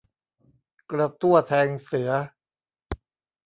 กระตั้วแทงเสือ